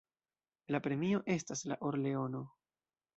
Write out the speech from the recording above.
La premio estas la or-leono.